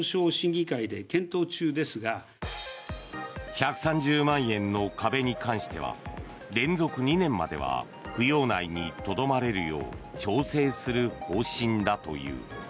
１３０万円の壁に関しては連続２年までは扶養内にとどまれるよう調整する方針だという。